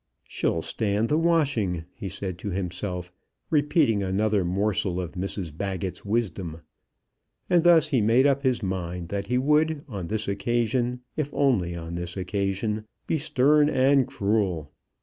"She'll stand the washing," he said to himself, repeating another morsel of Mrs Baggett's wisdom. And thus he made up his mind that he would, on this occasion, if only on this occasion, be stern and cruel.